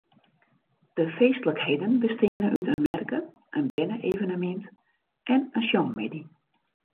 De feestlikheden besteane út in merke, in berne-evenemint en in sjongmiddei.